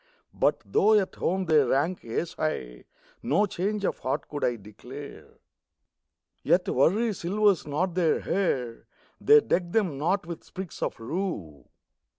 But though at home they rank ace high, No change of heart could I declare. Yet worry silvers not their hair; They deck them not with sprigs of rue.